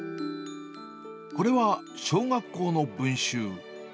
これは小学校の文集。